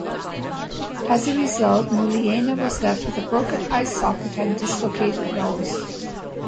As a result, Muliaina was left with a broken eye socket and dislocated nose.